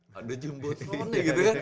wih ada jumbotronnya gitu kan